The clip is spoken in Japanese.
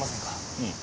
うん。